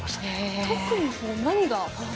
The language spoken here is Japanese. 特に何が？